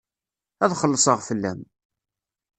Ad xellṣeɣ fell-am.